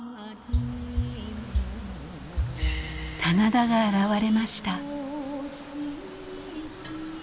棚田が現れました。